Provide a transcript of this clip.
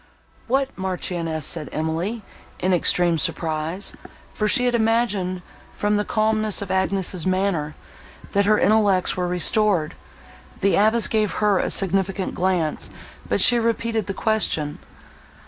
"What Marchioness?" said Emily, in extreme surprise; for she had imagined, from the calmness of Agnes's manner, that her intellects were restored. The abbess gave her a significant glance, but she repeated the question.